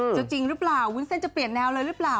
จริงหรือเปล่าวุ้นเส้นจะเปลี่ยนแนวเลยหรือเปล่า